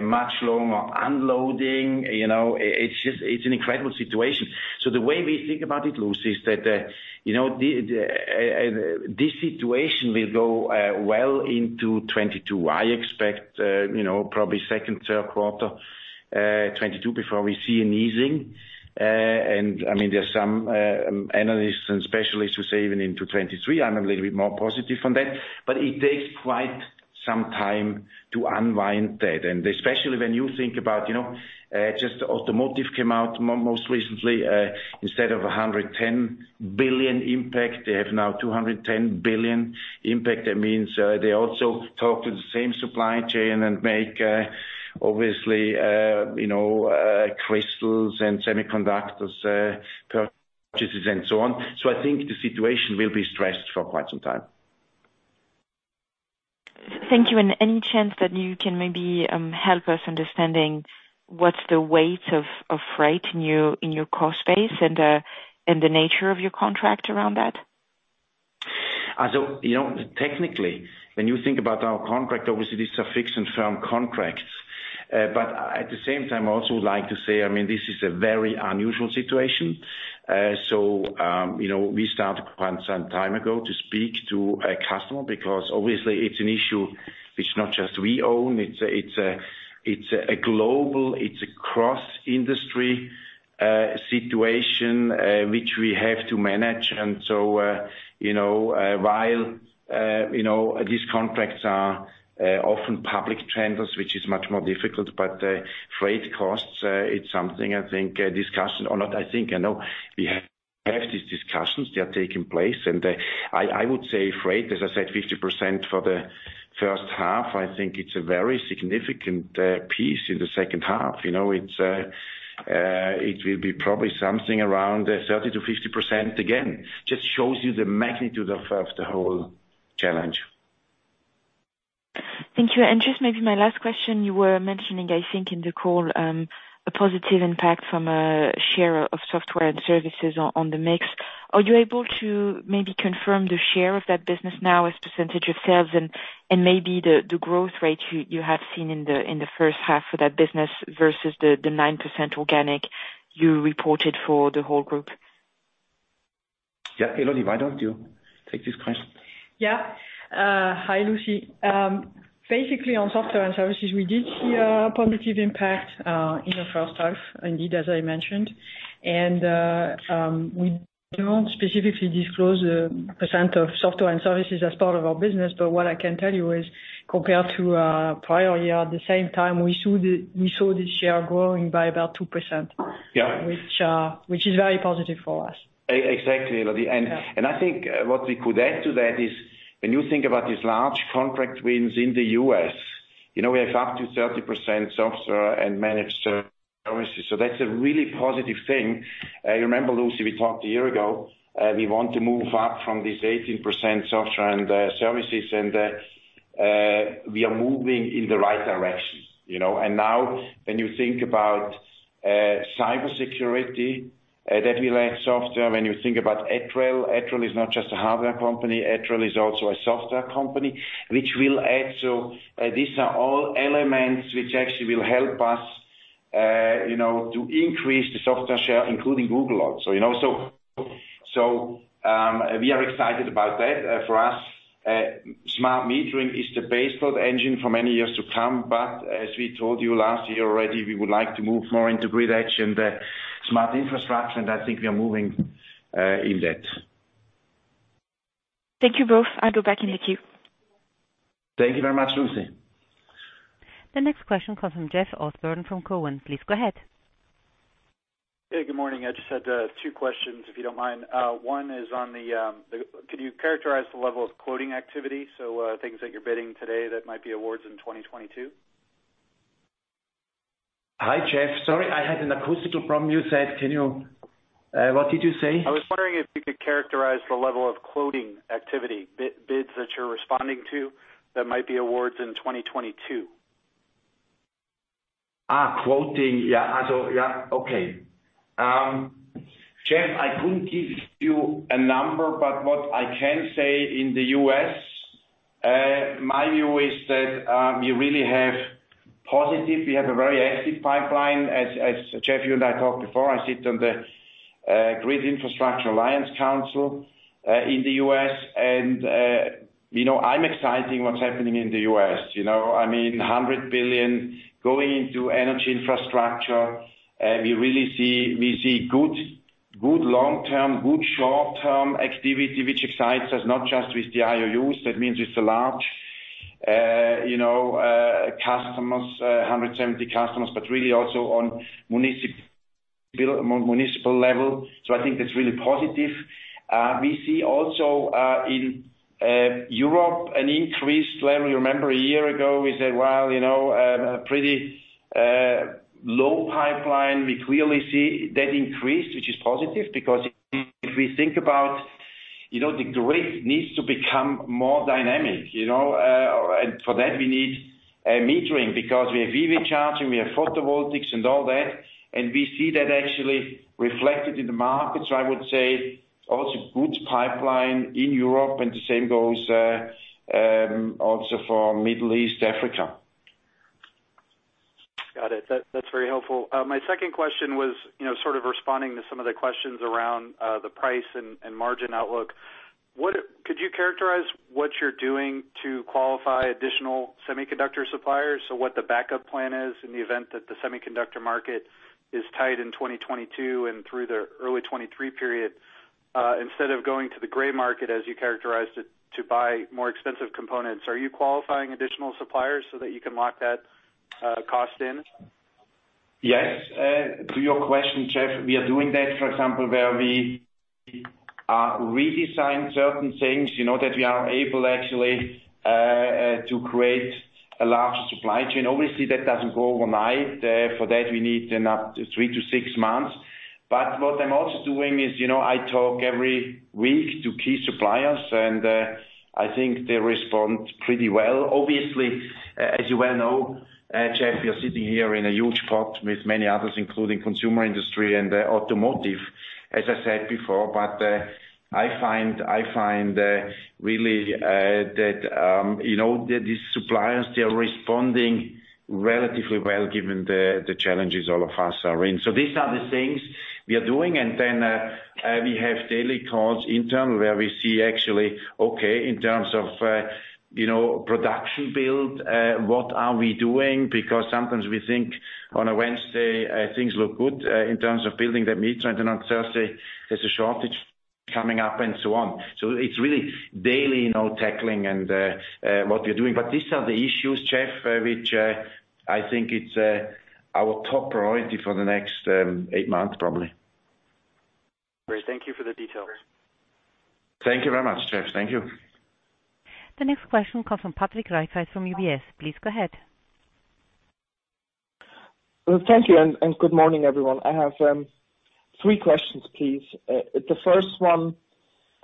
much longer unloading, you know, it's just, it's an incredible situation. The way we think about it, Lucie, is that, you know, this situation will go well into 2022. I expect, you know, probably second, third quarter 2022 before we see an easing. I mean, there are some analysts and specialists who say even into 2023. I'm a little bit more positive on that, but it takes quite some time to unwind that. Especially when you think about, you know, just automotive came out most recently. Instead of $110 billion impact, they have now $210 billion impact. That means, they also talk to the same supply chain and make, obviously, you know, crystals and semiconductors purchases and so on. I think the situation will be stressed for quite some time. Thank you. Any chance that you can maybe help us understanding what's the weight of freight in your cost base and the nature of your contract around that? You know, technically, when you think about our contract, obviously these are fixed and firm contracts. But at the same time I also would like to say, I mean, this is a very unusual situation. You know, we started quite some time ago to speak to a customer because obviously it's an issue which not just we own. It's a global, cross-industry situation which we have to manage. You know, while you know, these contracts are often public tenders, which is much more difficult, but freight costs, it's something I think a discussion or not I think I know we have these discussions, they are taking place. I would say freight, as I said, 50% for the first half. I think it's a very significant piece in the second half. You know, it will be probably something around 30%-50% again. Just shows you the magnitude of the whole challenge. Thank you. Just maybe my last question, you were mentioning, I think in the call, a positive impact from share of software and services on the mix. Are you able to maybe confirm the share of that business now as percentage of sales and maybe the growth rate you have seen in the first half for that business versus the 9% organic you reported for the whole group? Yeah. Elodie, why don't you take this question? Yeah. Hi, Lucie. Basically on software and services, we did see a positive impact in the first half, indeed, as I mentioned. We don't specifically disclose the percent of software and services as part of our business, but what I can tell you is compared to prior year, at the same time, we saw the share growing by about 2%. Yeah. Which is very positive for us. Exactly, Elodie. I think what we could add to that is when you think about these large contract wins in the U.S., you know, we have up to 30% software and managed services. That's a really positive thing. You remember, Lucie, we talked a year ago, we want to move up from this 18% software and services and we are moving in the right direction, you know? Now, when you think about cybersecurity that we like software. When you think about Etrel is not just a hardware company, Etrel is also a software company, which will add to these are all elements which actually will help us, you know, to increase the software share, including Google also. You know, we are excited about that. For us, smart metering is the base load engine for many years to come, but as we told you last year already, we would like to move more into grid edge and smart infrastructure, and I think we are moving in that. Thank you both. I'll go back in the queue. Thank you very much, Lucie. The next question comes from Jeff Osborne from Cowen. Please go ahead. Hey, good morning. I just had two questions, if you don't mind. One is, can you characterize the level of quoting activity? Things that you're bidding today that might be awards in 2022. Hi, Jeff. Sorry, I had an acoustic problem. What did you say? I was wondering if you could characterize the level of quoting activity, big bids that you're responding to that might be awards in 2022? Jeff, I couldn't give you a number, but what I can say in the U.S., my view is that we really have positive. We have a very active pipeline. As Jeff, you and I talked before, I sit on the Grid Infrastructure Advisory Council in the U.S. You know, I'm excited what's happening in the U.S. You know, I mean, $100 billion going into energy infrastructure. We really see good long-term, good short-term activity, which excites us not just with the IOUs. That means it's a large, you know, customers, 170 customers, but really also on municipal level. I think that's really positive. We see also in Europe an increased level. You remember a year ago, we said, well, you know, a pretty low pipeline. We clearly see that increase, which is positive. Because if we think about, you know, the grid needs to become more dynamic, you know. For that we need metering because we have EV charging, we have photovoltaics and all that, and we see that actually reflected in the markets. I would say also good pipeline in Europe and the same goes also for Middle East, Africa. Got it. That's very helpful. My second question was, you know, sort of responding to some of the questions around the price and margin outlook. Could you characterize what you're doing to qualify additional semiconductor suppliers? So what the backup plan is in the event that the semiconductor market is tight in 2022 and through the early 2023 period? Instead of going to the gray market as you characterized it, to buy more expensive components, are you qualifying additional suppliers so that you can lock that cost in? Yes. To your question, Jeff, we are doing that, for example, where we redesign certain things, you know, that we are able actually to create a larger supply chain. Obviously, that doesn't go overnight. For that, we need then up to three to six months. What I'm also doing is, you know, I talk every week to key suppliers, and I think they respond pretty well. Obviously, as you well know, Jeff, you're sitting here in a huge pot with many others, including consumer industry and automotive, as I said before. I find really that, you know, that these suppliers, they are responding relatively well given the challenges all of us are in. These are the things we are doing. We have daily calls internal, where we see actually, okay, in terms of, you know, production build, what are we doing? Because sometimes we think on a Wednesday, things look good, in terms of building the meter, and then on Thursday, there's a shortage coming up and so on. It's really daily, you know, tackling and, what we are doing. But these are the issues, Jeff, which, I think it's, our top priority for the next, eight months, probably. Great. Thank you for the details. Thank you very much, Jeff. Thank you. The next question comes from Patrick Rafaisz from UBS. Please go ahead. Thank you, good morning, everyone. I have three questions, please. The first one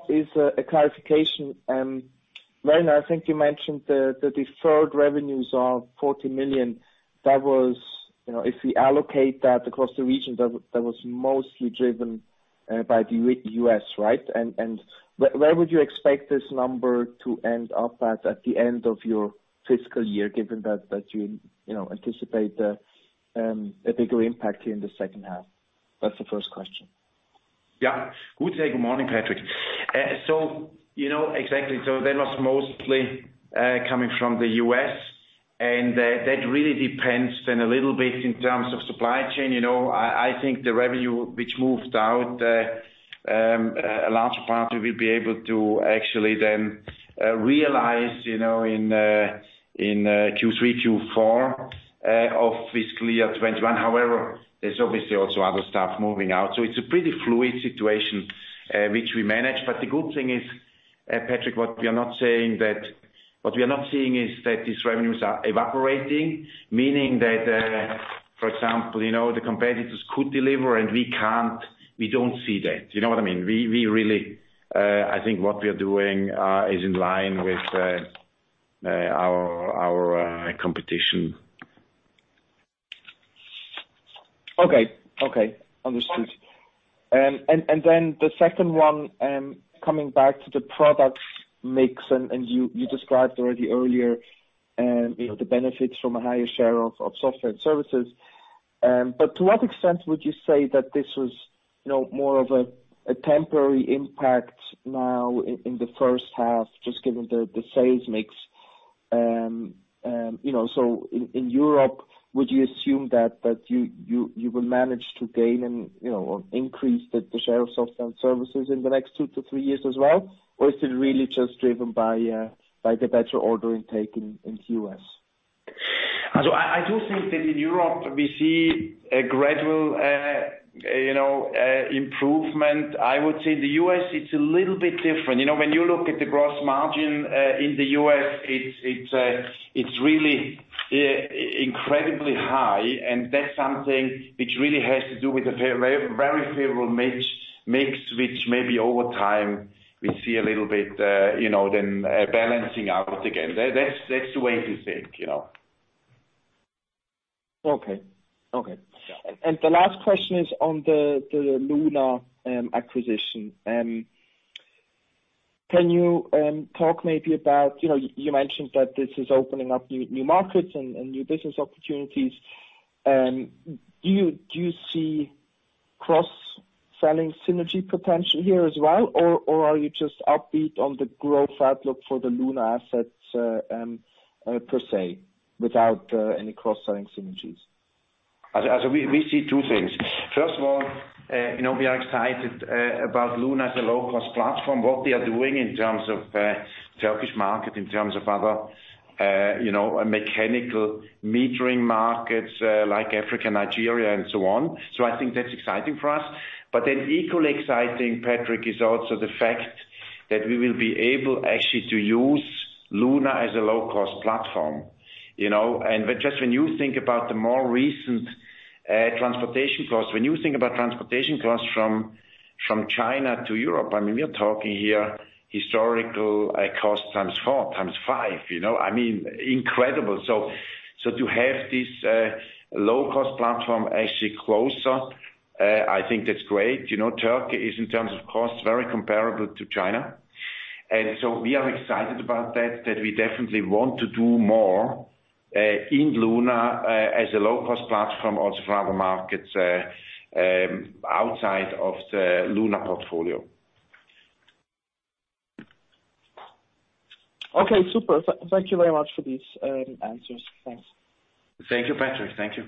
is a clarification. Werner, I think you mentioned the deferred revenues are $40 million. That was, you know, if we allocate that across the region, that was mostly driven by the U.S., right? And where would you expect this number to end up at the end of your fiscal year, given that you know anticipate a bigger impact here in the second half? That's the first question. Good day. Good morning, Patrick. That was mostly coming from the U.S. and that really depends then a little bit in terms of supply chain. You know, I think the revenue which moved out, a larger part, we'll be able to actually then realize in Q3, Q4 of fiscal year 2021. However, there's obviously also other stuff moving out. It's a pretty fluid situation which we manage. The good thing is, Patrick, what we are not seeing is that these revenues are evaporating, meaning that, for example, the competitors could deliver and we can't. We don't see that. Do you know what I mean? We really, I think, what we are doing is in line with our competition. Okay. Understood. Then the second one, coming back to the product mix. You described already earlier, you know, the benefits from a higher share of software and services. To what extent would you say that this was, you know, more of a temporary impact now in the first half, just given the sales mix? You know, in Europe, would you assume that you will manage to gain, you know, or increase the share of software and services in the next two to three years as well? Or is it really just driven by the better order intake in QS? I do think that in Europe we see a gradual, you know, improvement. I would say the U.S. it's a little bit different. You know, when you look at the gross margin in the U.S., it's really incredibly high, and that's something which really has to do with a very, very favorable mix which maybe over time we see a little bit, you know, then balancing out again. That's the way to think, you know? Okay. Okay. Yeah. The last question is on the Luna acquisition. Can you talk maybe about, you know, you mentioned that this is opening up new markets and new business opportunities. Do you see cross-selling synergy potential here as well? Or are you just upbeat on the growth outlook for the Luna assets per se without any cross-selling synergies? We see two things. First of all, you know, we are excited about Luna as a low cost platform, what we are doing in terms of Turkish market, in terms of other, you know, mechanical metering markets like Africa, Nigeria and so on. I think that's exciting for us. Equally exciting, Patrick, is also the fact that we will be able actually to use Luna as a low cost platform, you know? Just when you think about the more recent transportation costs, when you think about transportation costs from China to Europe, I mean, we are talking here historical cost times four, times five, you know? I mean, incredible. To have this low cost platform actually closer, I think that's great. You know, Turkey is, in terms of cost, very comparable to China. We are excited about that we definitely want to do more in Luna as a low cost platform also for other markets outside of the Luna portfolio. Okay, super. Thank you very much for these answers. Thanks. Thank you, Patrick. Thank you.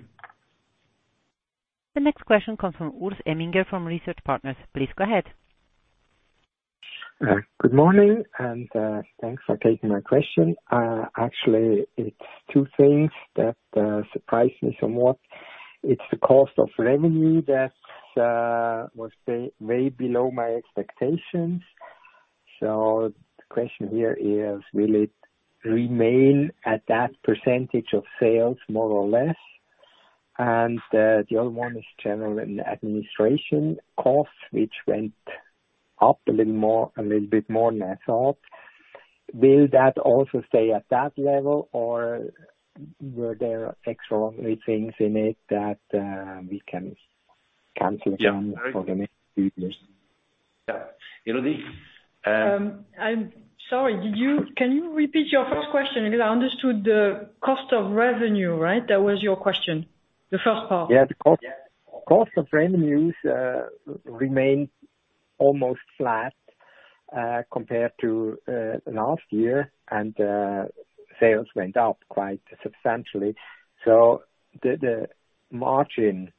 The next question comes from Urs Emminger from Research Partners. Please go ahead. Good morning, and thanks for taking my question. Actually, it's two things that surprised me somewhat. It's the cost of revenue that was way below my expectations. The question here is, will it remain at that percentage of sales more or less? The other one is general and administrative costs, which went up a little bit more than I thought. Will that also stay at that level, or were there extraordinary things in it that we can cancel down for the next few years? Yeah. Elodie, I'm sorry, can you repeat your first question? Because I understood the cost of revenue, right? That was your question, the first part. Yeah. The cost of revenues remained almost flat compared to last year, and sales went up quite substantially. The margin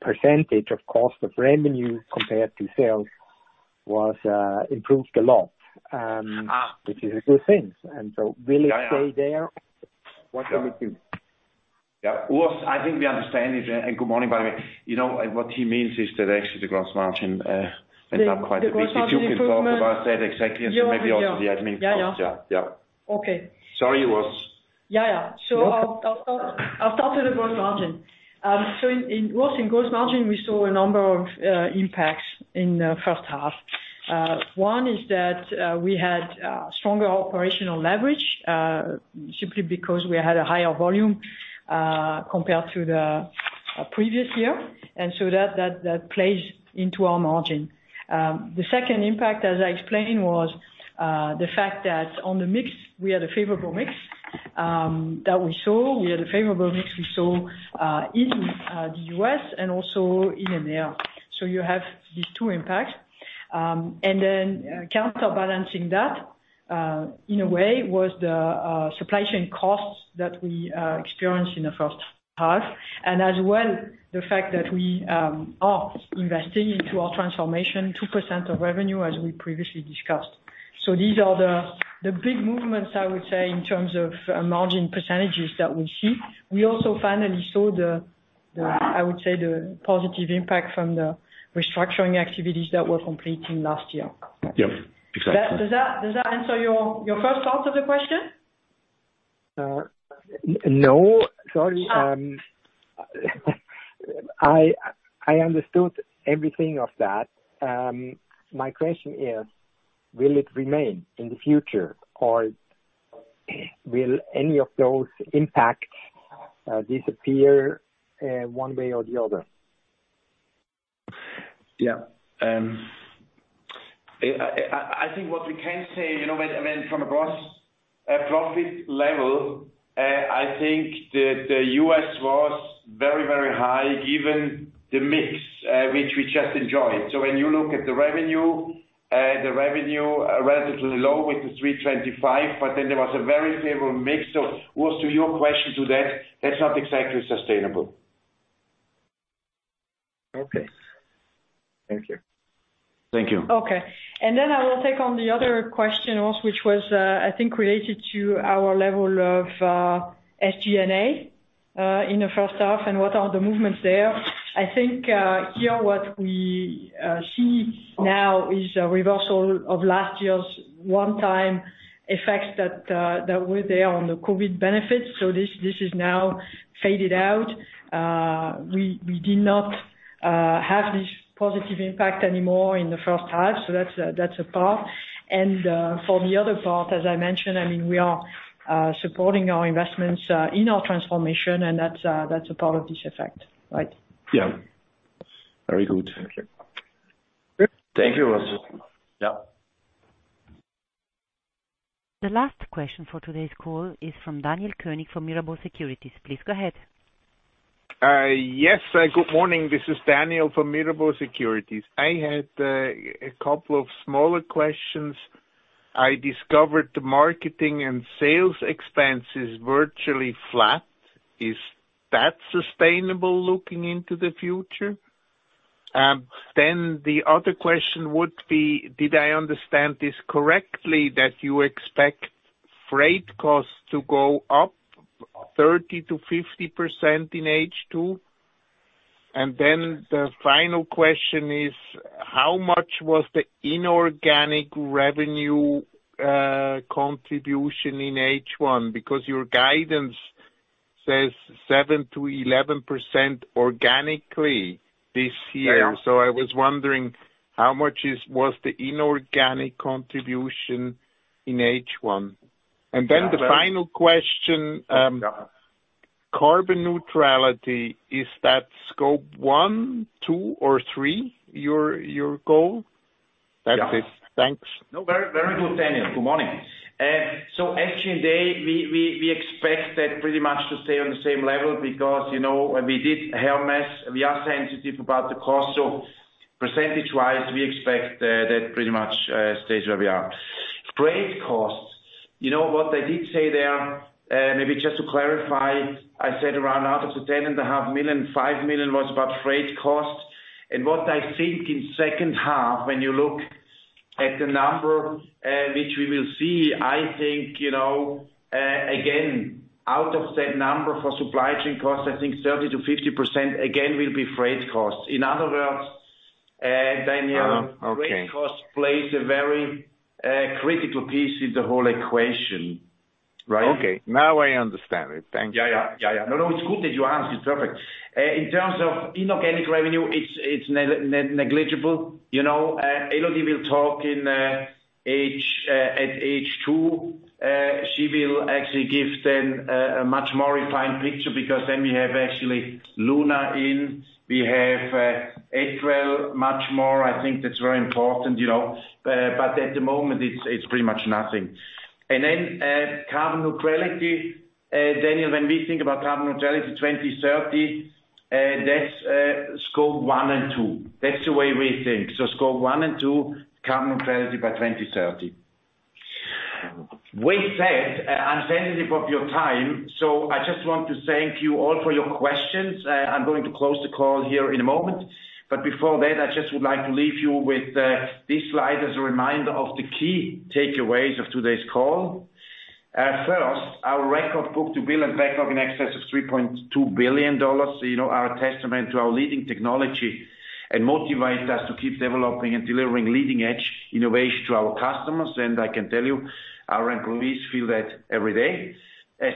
percentage of cost of revenue compared to sales was improved a lot. Ah. Which is a good thing. Will it stay there? What can we do? Yeah. Urs, I think we understand it, and good morning, by the way. You know, what he means is that actually the gross margin went up quite a bit. The gross margin improvement. If you can talk about that exactly and so maybe also the admin costs. Yeah. Okay. Sorry, Urs. I'll start with the gross margin. In gross margin, we saw a number of impacts in the first half. One is that we had stronger operational leverage simply because we had a higher volume compared to the previous year. That plays into our margin. The second impact, as I explained, was the fact that on the mix, we had a favorable mix that we saw in the U.S. and also in EMEIA. You have these two impacts. Counterbalancing that, in a way, was the supply chain costs that we experienced in the first half and as well the fact that we are investing into our transformation, 2% of revenue as we previously discussed. These are the big movements, I would say, in terms of margin percentages that we see. We also finally saw the I would say, the positive impact from the restructuring activities that were completed last year. Yep. Exactly. Does that answer your first half of the question? No. Sorry. I understood everything of that. My question is, will it remain in the future, or will any of those impacts disappear one way or the other? Yeah. I think what we can say, you know, when I mean, from a gross profit level, I think the U.S. was very high, given the mix which we just enjoyed. When you look at the revenue, the revenue relatively low with the $325, but then there was a very favorable mix. Urs, to your question to that's not exactly sustainable. Okay. Thank you. Thank you. Okay. I will take on the other question also, which was, I think related to our level of SG&A in the first half, and what are the movements there. I think, here, what we see now is a reversal of last year's one-time effects that were there on the COVID benefits. This is now faded out. We did not have this positive impact anymore in the first half. That's a part. For the other part, as I mentioned, I mean, we are supporting our investments in our transformation, and that's a part of this effect, right? Yeah. Very good. Thank you. Thank you, Urs. Yeah. The last question for today's call is from Daniel Koenig for Mirabaud Securities. Please go ahead. Yes. Good morning. This is Daniel from Mirabaud Securities. I had a couple of smaller questions. I discovered the marketing and sales expense is virtually flat. Is that sustainable looking into the future? The other question would be, did I understand this correctly, that you expect freight costs to go up 30%-50% in H2? The final question is, how much was the inorganic revenue contribution in H1? Because your guidance says 7%-11% organically this year. Yeah, yeah. I was wondering how much was the inorganic contribution in H1? Yeah. The final question. Yeah. Carbon neutrality, is that Scope 1, 2 or 3, your goal? Yeah. That's it. Thanks. No, very, very good, Daniel. Good morning. Actually, today we expect that pretty much to stay on the same level because, you know, when we did Hermes, we are sensitive about the cost, so percentage-wise, we expect that pretty much stays where we are. Freight costs. You know what I did say there, maybe just to clarify, I said around out of the $10.5 million, $5 million was about freight costs. What I think in second half, when you look at the number, which we will see, I think, you know, again, out of that number for supply chain costs, I think 30%-50% again, will be freight costs. In other words, Daniel. Okay. Freight cost plays a very, critical piece in the whole equation. Right? Okay, now I understand it. Thank you. Yeah, yeah. No, it's good that you asked, it's perfect. In terms of inorganic revenue, it's negligible. You know, Elodie will talk in H2. She will actually give them a much more refined picture because then we have actually Luna in, we have Etrel, well, much more. I think that's very important, you know, but at the moment, it's pretty much nothing. Carbon neutrality, Daniel, when we think about carbon neutrality 2030, that's scope one and two. That's the way we think. Scope one and two carbon neutrality by 2030. With that, I'm sensitive of your time, so I just want to thank you all for your questions. I'm going to close the call here in a moment, but before that, I just would like to leave you with this slide as a reminder of the key takeaways of today's call. First, our record book-to-bill and backlog in excess of $3.2 billion, you know, are a testament to our leading technology and motivates us to keep developing and delivering leading edge innovation to our customers, and I can tell you our employees feel that every day.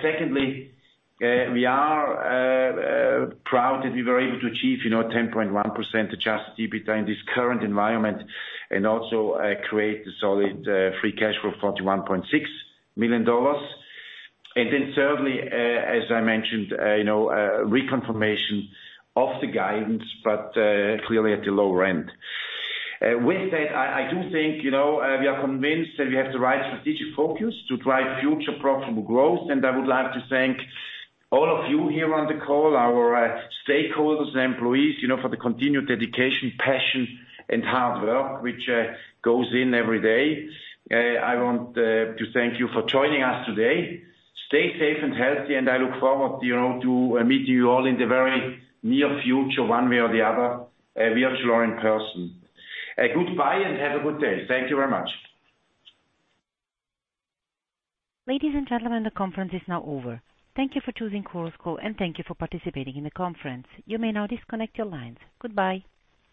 Secondly, we are proud that we were able to achieve, you know, 10.1% Adjusted EBITDA in this current environment and also create a solid free cash flow, $41.6 million. Then thirdly, as I mentioned, you know, reconfirmation of the guidance, but clearly at the lower end. With that, I do think, you know, we are convinced that we have the right strategic focus to drive future profitable growth, and I would like to thank all of you here on the call, our stakeholders and employees, you know, for the continued dedication, passion and hard work which goes in every day. I want to thank you for joining us today. Stay safe and healthy, and I look forward, you know, to meeting you all in the very near future, one way or the other, virtual or in person. Goodbye and have a good day. Thank you very much. Ladies and gentlemen, the conference is now over. Thank you for choosing Chorus Call, and thank you for participating in the conference. You may now disconnect your lines. Goodbye.